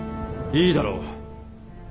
いいだろう。